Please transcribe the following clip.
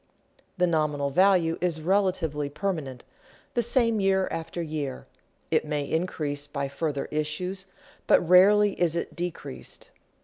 The nominal value is relatively permanent, the same year after year; it may increase by further issues, but rarely is it decreased.